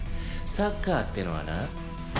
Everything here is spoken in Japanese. サッカーってのはな